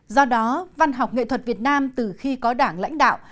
do đó văn học nghệ thuật việt nam từ khi có đảng lãnh đạo